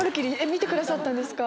見てくださったんですか？